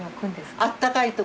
あったかい所？